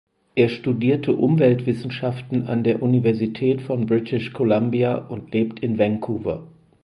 Er studierte Umweltwissenschaften an der Universität von British Colombia und lebt in Vancouver.